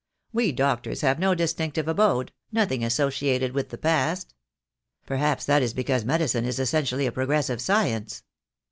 We doctors have no distinctive abode, nothing associated with the past." "Perhaps that is because medicine is essentially a progressive science."